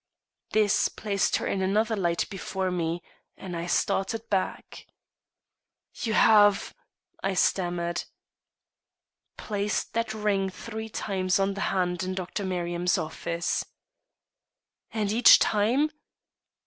This placed her in another light before me, and I started back. "You have " I stammered. "Placed that ring three times on the hand in Dr. Merriam's office." "And each time?"